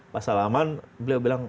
pas salaman beliau bilang